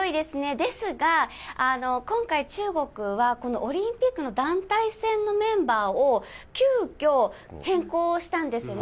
ですが、今回、中国はこのオリンピックの団体戦のメンバーを急きょ、変更したんですよね。